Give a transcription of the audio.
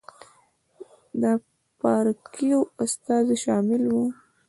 د پاړکیو استازي شامل وو.